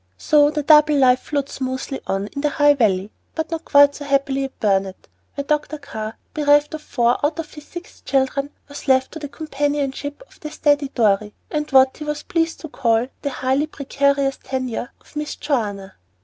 So the double life flowed smoothly on in the High Valley, but not quite so happily at Burnet, where Dr. Carr, bereft of four out of his six children, was left to the companionship of the steady Dorry, and what he was pleased to call "a highly precarious tenure of Miss Joanna."